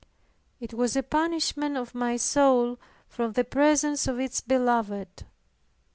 It was a banishment of my soul from the presence of its Beloved.